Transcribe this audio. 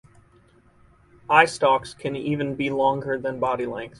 Eyestalks can even be longer than body length.